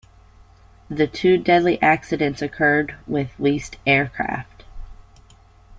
The two deadly accidents occurred with leased aircraft.